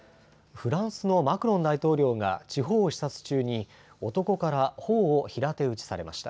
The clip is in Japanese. フランスのマクロン大統領が地方を視察中に男からほおを平手打ちされました。